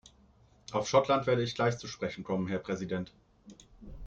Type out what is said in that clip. Auf Schottland werde ich gleich zu sprechen kommen, Herr Präsident.